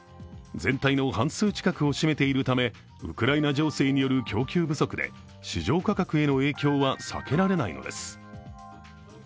全体の半数近くを占めているためウクライナ情勢による供給不足で市場価格への影響は避けられないのです。